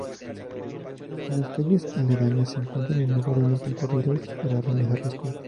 En las calles aledañas, se encuentran los lugares más concurridos para realizar las compras.